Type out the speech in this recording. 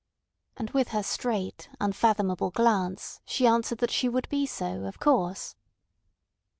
And with her straight, unfathomable glance she answered that she would be so, of course.